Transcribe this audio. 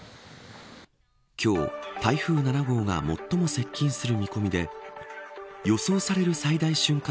今日、台風７号が最も接近する見込みで予想される最大瞬間